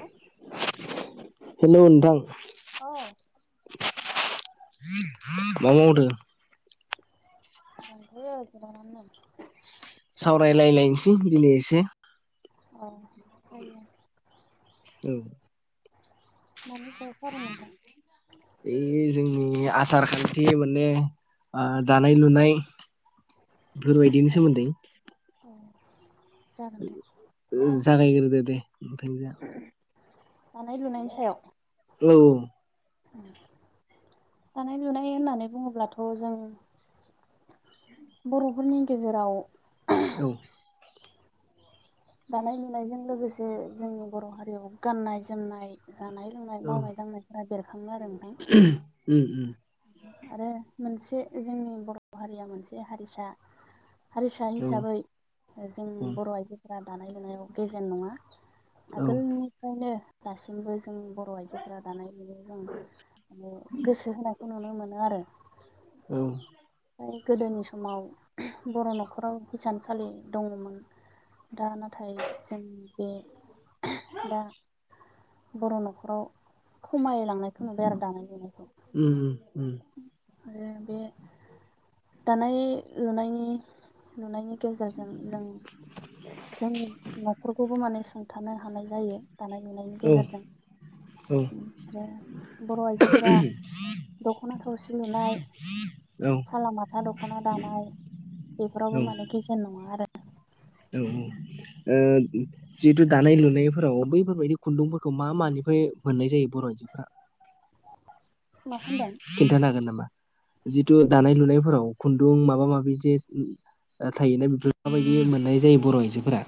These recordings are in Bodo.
हौ हेलौ नोंथां औ मा मावदों? दंथयो जिरायनानै दं सावरायलायलायसै दिनै एसे औ जायो औ ऐ जोंनि आसार खान्थि माने दानाय लुनाय बेफोरबायदिनि सोमोन्दै जागायग्रोदो दे नोंथांजोया दानाय लुनायनि सायाव औ दानाय लुनाय होननानै बुङोब्लाथ' जों बर'फोरनि गेजेराव औ दानाय लुनायजों लोगोसे जोंनि बर' हारियाव गाननाय जोमनाय जानाय लोंनाय मावनाय दांनायफोरा बेरखाङो आरो नोंथां उम उम आरो मोनसे जोंनि बर' हारिया मोनसे हारिसा हारिसा हिसाबै जों बर' आइजोफोरा दानाय लुनायाव गेजेन नङा आगोलनिफ्रायनो दासिमबो जों बर' आइजोफोरा दानाय लुनायाव जों म गोसो हो खौ नुनो मोनो आरो फ्राय गोदोनि समाव बर' न'खराव हिसानसालि दङमोन दा नाथाय जों बे दा बर' न'खराव खमायलांनायखौ नुबाय आरो दानाय लुनायखौ। आरो बे दानाय लुनायनि नुनायनि गेजेरजों जों जोंनि न'खरखौबो माने सुंथानो हानाय जायो दानाय लुनायनि गेजेरजों ओंफ्राय बर' आइजोफोरा दख [inaudible] सालामाथा दख'ना दानाय बेफोरावबो माने गेजेन नङा आरो औ औ ओ जिहेतु दानाय लुनायफोराव बैफोरबायदि खुन्दुंफोरखौ मा मानि फै मोननाय जायो बर' आइजोफोरा खिन्थानो हागोन नामा जिथु दानाय लुनायफोराव खुन्दुं माबा माबि जे थायोना बेफोर माबायदि मोननाय जायो बर' आइजोफोरा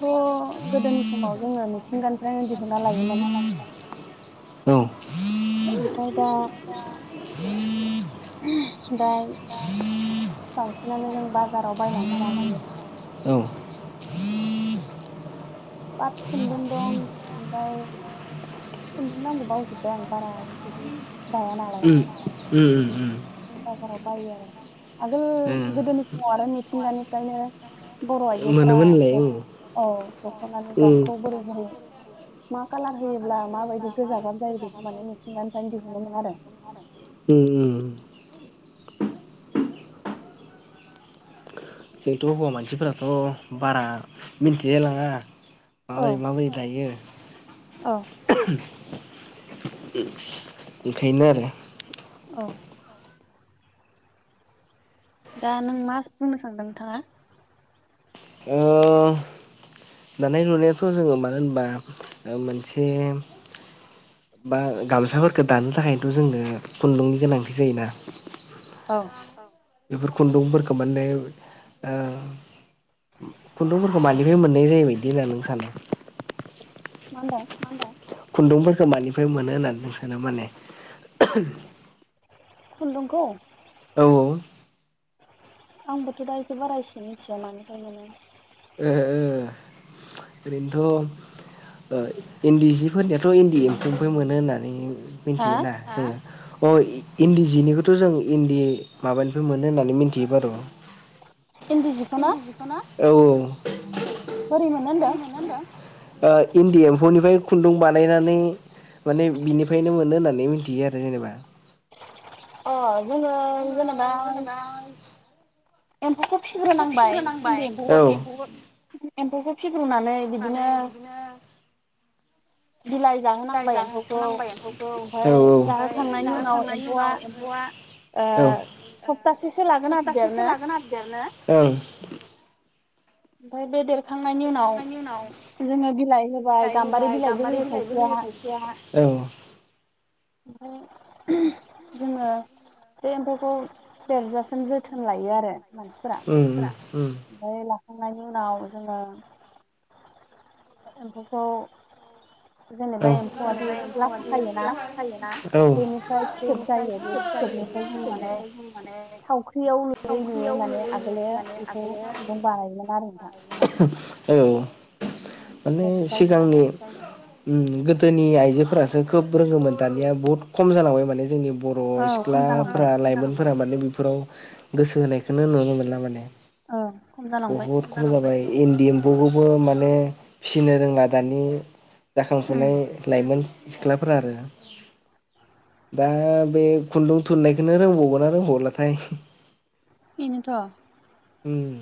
थ' गोदोनि समाव जोङो मिथिंगानिफ्रायनो दिहुना लायोमोन औ ओमफाय दा दा बांसिनानो जों बाजाराव बायनानै लाबोयो। उम पाट खुन्दुं दं ओमफाय खुन्दुं नांगौबा होजोबबाय आं बारा बिदि ओम ओम ओम ओम बारा बायो आरो आगोल गोदोनि समाव आरो मिथिंगानिफ्रायनो बर' आइजोफोरा औ दख'नानि गाबखौ बोरै बोरै मा कालार होयोब्ला माबायदि गोजा गाब जायो बेखौ माने मिथिंगानिफ्रायनो दिहुनोमोन आरो जोंथ' हौवा मानसिफोराथ' बारा मिन्थिलाय लाङा। माबोरै माबोरै दायो बेखायनो आरो औ दा नों मा बुंनो सानदों नोंथाङा ओ दानाय लुनायाथ' जोङो मानो होनबा मोनसे बा गामसाफोरखौ दानो थाखायथ' जोंनो खुन्दुंनि गोनांथि जायोना औ बेफोर खुन्दुंफोरखौ माने ओ खुन्दुंफोरखौ मानिफ्राय मोननाय जायो बायदि होनना नों सानो मा होन्दों खुन्दुंफोरखौ मानिफ्राय मोनो होननानै सानो माने खुन्दुंखौ औ औ आंबोथ' दा बेखौ बारा एसे मिथिया मानिफ्राय मोनो ओ ओ ओरैनोथ' इन्दि जिफोरनियाथ' इन्दि एम्फौनिफ्राय मोनो होननानै मिथियोना जोंङो अ इन्दि जिनिखौथ' जों इन्दि माबानिफ्राय मोनो होननानै मिथियो आरो इन्दि जिखौना औ [unintelligible] इन्दि एम्फौ निफ्राय खुन्दुं बानायनानै माने बिनिफ्रायनो मोनो होननानै मिथियो आरो जेनेबा अ जोंङो जेनेबा एम्फौखौ फिग्रोनांबाय इन्दि एम्फौखौ एम्फौखौ फिग्रोनानै बिदिनो बिलाइ जाहानांबाय एम्फौखौ ओमफ्राय जाहोखांनायनि उनाव एम्फौआ औ सप्तासेसो लागोन आरो देरनो ओमफ्राय बे देरखांनायनि उनाव उनाव जोंङो बिलाइ होबाय गाम्बारि बिलाइबो होयो खायसेया [inaudible] ओमफ्राय जोंङो बे एम्फौखौ देरजासिम जोथोन लायो आरो मानसिफोरा ओमफ्राय ला खांनायनि उनाव जोंङो एम्फौखौ जेनोबा एम्फौआदि लाथाखायोना बेनिफ्राय फिथोब जायो बे फिथोब बेनिफ्राय जों माने थावख्रियाव लुयै लुयै माने आगोलो [inaudible] औ माने सिगांनि गोदोनि आइजोफोरासो खोब रोङोंमोन दानिया बहुत खम जालांबाय माने जोंनि बर' सिख्लाफोरा लाइमोनफोरा माने बेफोराव गोसो होनायखौनो नुनो मोनला माने ओ खम जालांबाय इन्दि एम्फौखौबो माने फिसिनो रोंङा दानि जाखांफुनाय लाइमोन सिख्लाफोरा आरो दा बे खुन्दुं थुननायखौनो रोंबावगोना रोंबावलाथाय बिनोथ' उम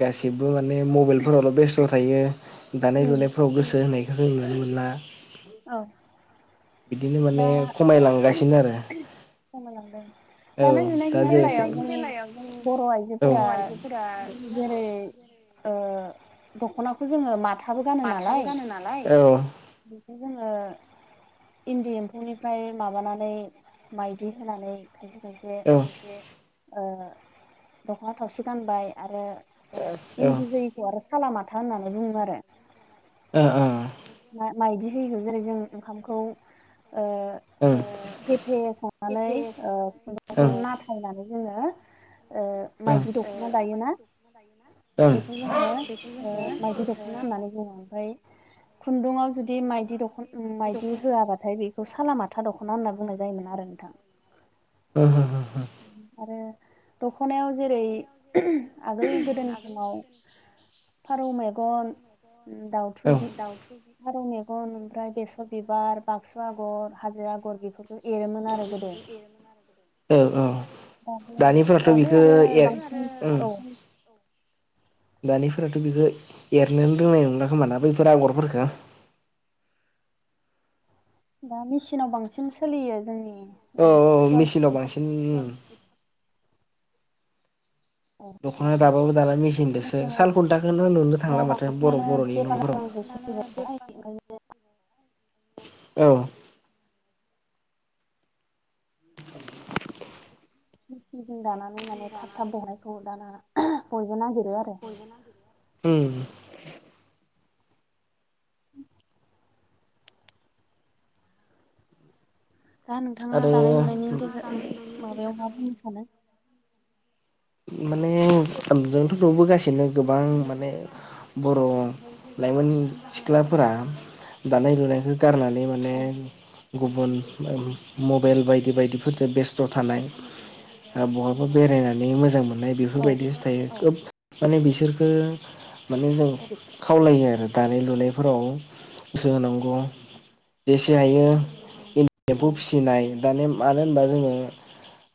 गासिबो माने मबाइलफोरावल' बेस्थ' थायो दानाय लुनायफोराव गोसो होनाय जों नुनो मोनला औ बिदिनो माने खमायलांगासिनो आरो औ दा जेसे दानाय लुनाय जों औ बर आइजोफोरा जेरै ओ दखनाखौ जों जोङो माथाबो गानो नालाय बेखौ जोंङो इन्दि एम्फौनिफ्राय माबानानै माइदि होनानै खायसे खायसे ओ दख'ना थावसि गानबाय आरो इन्दि होयैखौ आरो सालालामाथा होननानै बुंङो आरो ओ ओ मा माइदि होयै जेरै जों ओंखामखौ ओ गेफे संनानै ओ खुन्दुंखौ नाथायनानै जोङो ओ माइदि दख'ना दायोना बेखौ जोङो ओ माइदि दख'ना होननानै जोङो ओमफाय खुन्दुंआव खुन्दुआव जुदि माइदि दख'ना माइदि होआबाथाय बेखौ साला माथा दख'ना होनना बुंनाय जायोमोन आरो हो हो हो आरो दखनायाव जेरै आगोल गोदोनि समाव फारौ मेगन दाउथु बि फारौ मेगन ओमफ्राय बेसर बि बार बाक्सु आग'र हाजो आग'र बेफोरखौ एरोमोन आरो गोदो दाबो दाबो आरो बांसिन औ [unintelligible] दानिफोराथ' बेखौ एरनोनो रोंनाय नंला खोमा ना बैफोर आगरफोरफोरखौ [unintelligible] दा मेसिना बांसिन सोलियो जोंनि औ औ मेचिनाव बांसिन ओम दख'ना दाबाबो दाना मेसिनजोंसो साल खुन्थाखौनो नुनो थांला माथो बर' बर'नि न'फोराव [unintelligible] [unintelligible] मेसिनजों दानानै माने थाब थाब दानायखौ दाना बयबो नागिर बयबो नागिरो आरो उम [unintelligible] दा नोंथाङा दानाय लुनायनि गेजेर माबायाव मा बुंनो सानो माने जोंथ' नुबोगासिनो गोबां माने बर' लाइमोननि सिख्लाफोरा दानाय लुनायखौ गारनानै माने गुबुन उम मबाइल बायदि बायदिफोरजों बेस्थ' थानाय आरो ओ बहाबा बेरायनानै मोजां मोननाय बेफोरबायदिसो थायो खोब माने बिसोरखो माने जों खावलायो आरो दानाय लुनायफोराव गोसो होनांगौ जेसे हायो इन एम्फौ फिसिनाय दानि मानो होनबा जोङो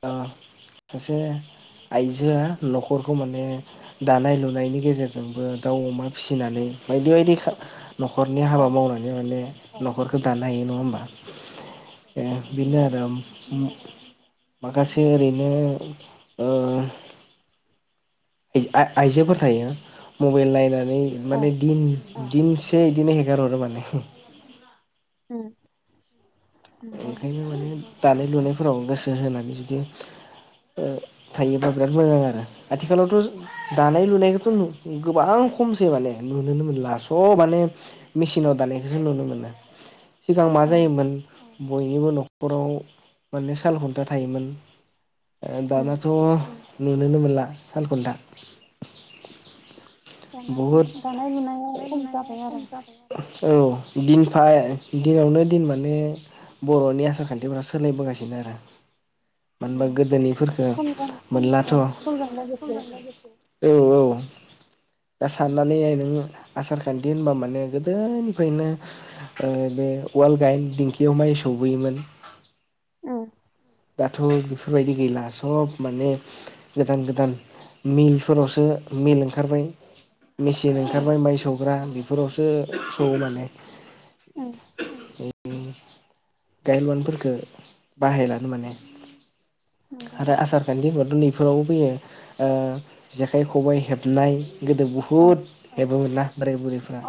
ओ सासे आइजोआ न'खरखौ माने दानाय लुनायनि गेजेरजोंबो दाउ अमा फिसिनानै बायदि बायदि खा न'खरनि हाबा मावनानै माने न'खरखो दानो हायो नङा होमबा ओ बिनो आरो माखासे ओरैनो ओ आइजोफोर थायो मबाइल नायनानै माने दिन दिनसे इदिनो हेगारहरो माने [inaudible] [inaudible] ओंखायनो माने दानाय लुनायफोराव गोसो होनानै जुदि थायोब्ला बिराद मोजां आरो आथिखालावथ' दानाय लुनायखौथ' गोबां खमसै माने नुनोनो मोनला सब माने मेसिनाव दानायखौसो नुनो मोनो सिगां मा जायोमोन बयनिबो न'खराव माने साल खुनथा थायोमोन दानाथ' नुनोनो मोनला सालखुनथा दाना दानाय लुनाया खम जाबाय आरो औ दिनफा दिनावनो दिन माने बर'नि आसार खानथिफोरा सोलायबोगासिनो आरो मानो होनबा गोदोनि फोरखौ मोनलाथ' औ औ दा साननानै नाय नोङो आसार खानथि होनबा माने गोदोनिफ्रायनो ओ बे उवाल गाइहेन दिंखि याव माइ सौहैयोमोन दाथ' बेफोरबायदि गैला सब माने गोदान गोदान मिलफोरावसो मिल ओंखारबाय मिचिन ओंखारबाय माइ सौग्रा बेफोरावसो सौवो माने [inaudible] [unintelligible] फोरखौ बाहायलानो माने आरो आसारखान्थिफोर उन्दैफोरावबो फैयो ओ जेखाइ खबाइ हेबनाय गोदो बुहुद हेबो मोनना बोराय बुरैफ्रा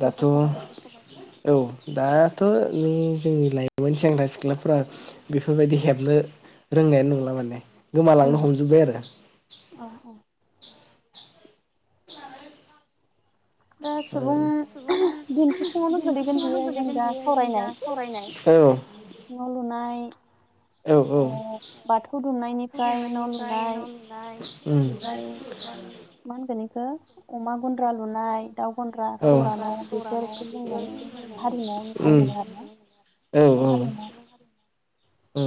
दाथ' औ दाथ' नों जोंनि लाइमोन सेंग्रा सिख्लाफ्रा बेफोरबायदि हेबनो रोंनायानो नंला माने गोमालांनो हमजोबबाय आरो [inaudible] ओ [inaudible] औ न' लुनाय ओ बाथौ दुमनायनि फ्राय न' लुनाय ओमफ्राय मा होनगोन बेखौ अमा गन्द्रा लुनाय दाउ गन्द्रा सौरा न' बेफोरखौ जों माने हारिमुआव नुनो मोनो आरोना। सुबुं हारिमुआव औ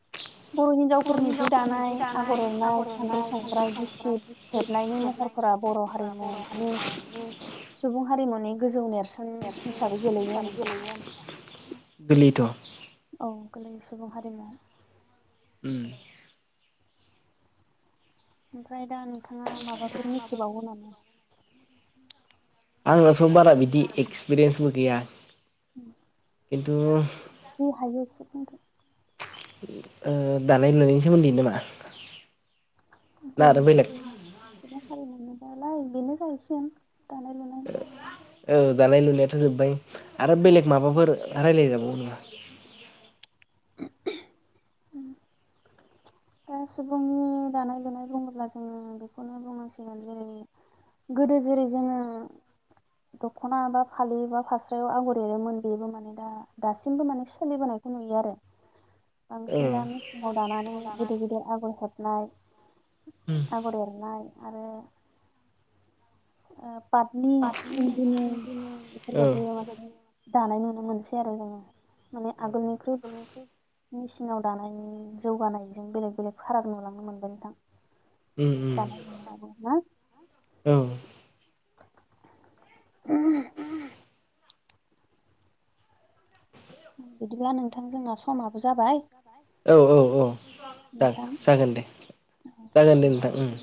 [inaudible] बर' हिन्जावफोरनि जि दानाय आगर एरनाय सान्द्रि संग्राइ गिसिब हेबनायनि महरफोराव बर' हारिमुनि सुबुं हारिमुनि गोजौ नेरसोन हिसाबै गोलैयो नोंथां गोलै औ गोलैयो सुबुं हारिमुआव उम ओमफ्राय दा नोंथाङा माबाफोर मिथिबावो नामा? आंनावथ' बारा बिदि एक्सपिरियेन्सबो गैया ओम किनतु जि हायो एसे बुंदो ओ दानाय लुनायनि सोमोनदै नामा? दे ओम सुबुं हारिमुनिबालाय बेनो जाहैसिगोन। दानाय लुनाय दानाय लुनायाथ' जोबबाय आरो बेलेग माबाफोर रायलाय जाबावो नामा? दा सुबुंनि दानाय लुनाय बुङोब्ला जोङो बेखौनो बुंनांसिगोन जेरै - गोदो जेरै- जोङो दख'ना बा फालि बा फास्रायाव आगर एरोमोन बेबो माने दा दासिमबो माने सोलिबोनाय बेखौ नुयो आरो। [inaudible] बांसिन दा मेसिनाव दानानै गिदिर गिदिर आगर हेबनाय आगर एरनाय आरो ओ पातनि इन्दिनि इफोरबायदि माने दानाय नुनो मोनसै आरो जोङो माने आगोलनिख्रुइ मेसिनाव दानायनि जौगानायजों बेलेग बेलेग फाराग नुलांनो मोनबाय नोंथां। दानाय नुनो मोनो ना? [unintelligible] बिदिब्ला नोंथां जोंना समाब बो जाबाय औ औ औ जागोन दे जागोन दे नोंथां उम। [inaudible]